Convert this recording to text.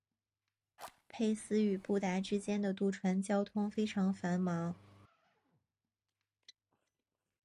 佩斯与布达之间的渡船交通非常繁忙。